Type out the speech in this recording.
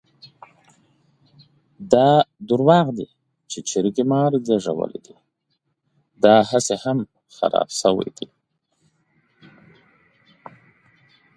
دا درواغ دي چې چرګې مار زېږولی دی؛ داهسې خم خراپ شوی دی.